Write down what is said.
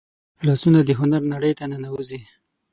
لاسونه د هنر نړۍ ته ننوځي